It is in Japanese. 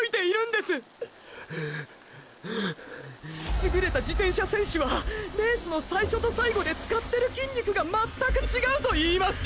すぐれた自転車選手はレースの最初と最後で使ってる筋肉が全く違うといいます！！